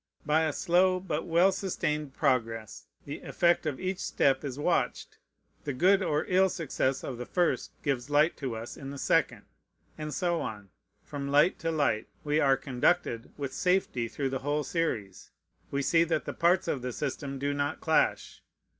By a slow, but well sustained progress, the effect of each step is watched; the good or ill success of the first gives light to us in the second; and so, from light to light, we are conducted with safety through the whole series. We see that the parts of the system do not clash.